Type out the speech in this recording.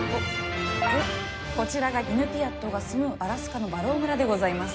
こちらがイヌピアットが住むアラスカのバロー村でございます。